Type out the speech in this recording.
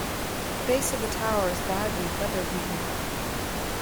The base of the tower is badly weather-beaten.